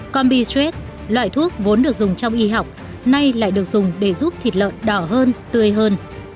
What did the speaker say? combi street loại thuốc vốn được dùng trong y học nay lại được dùng để giúp thịt lợn đỏ hơn tươi hơn